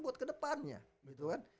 buat kedepannya gitu kan